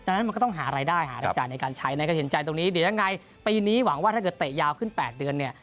ดังนั้นมันก็ต้องหารายได้หารายจ่ายในการใช้นะครับเห็นใจตรงนี้เดี๋ยวยังไงปีนี้หวังว่าถ้าเกิดเตะยาวขึ้น๘เดือนเนี่ย